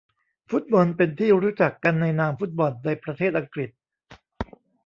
ฟุตบอลเป็นที่รู้จักกันในนามฟุตบอลในประเทศอังกฤษ